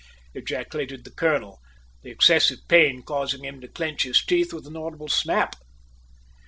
ejaculated the colonel, the excessive pain causing him to clench his teeth with an audible snap.